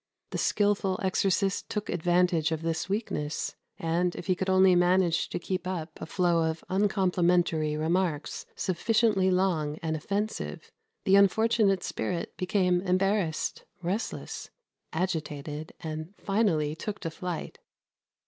The skilful exorcist took advantage of this weakness, and, if he could only manage to keep up a flow of uncomplimentary remarks sufficiently long and offensive, the unfortunate spirit became embarrassed, restless, agitated, and finally took to flight.